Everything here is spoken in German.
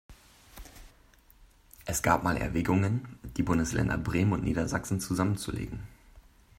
Es gab mal Erwägungen, die Bundesländer Bremen und Niedersachsen zusammenzulegen.